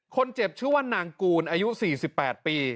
คนเจ็บชื่อวันนางกูลอายุ๔๘ปี